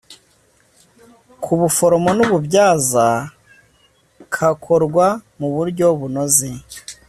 K ubuforomo n ububyaza kakorwa mu buryo bunoze